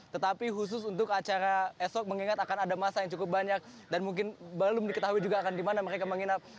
tetapi khusus untuk acara esok mengingat akan ada masa yang cukup banyak dan mungkin belum diketahui juga akan di mana mereka menginap